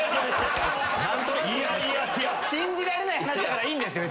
信じられない話だからいいんですよ。